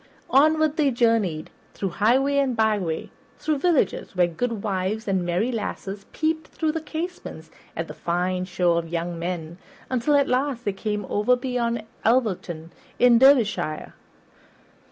Onward they journeyed, through highway and byway, through villages where goodwives and merry lasses peeped through the casements at the fine show of young men, until at last they came over beyond Alverton in Derbyshire.